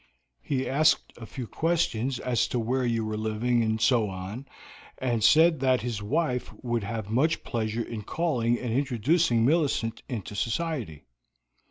He asked a few questions as to where you were living, and so on, and said that his wife would have much pleasure in calling and introducing Millicent into society.